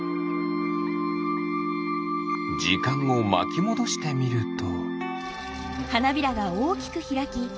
じかんをまきもどしてみると。